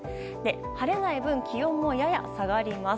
晴れない分気温もやや下がります。